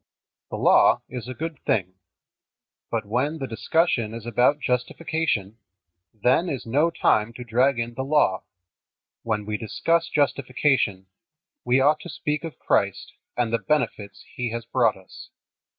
The Law is a good thing. But when the discussion is about justification, then is no time to drag in the Law. When we discuss justification we ought to speak of Christ and the benefits He has brought us.